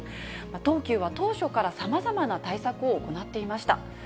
東急は当初からさまざまな対策を行っていました。